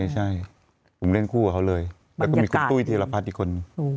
ใช่ผมเล่นคู่กับเขาเลยมีคุมปุ้ยเทลภัฎอีกคน